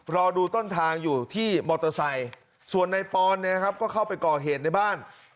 รอดูต้นทางอยู่ที่มอเตอร์ไซค์ส่วนในปอนเนี่ยนะครับก็เข้าไปก่อเหตุในบ้าน